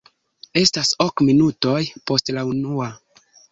Estas ok minutoj post la naŭa.